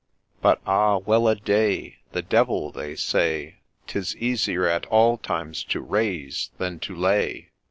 But ah, well a day I The Devil, they say, 'Tis easier at all times to raise than to lay.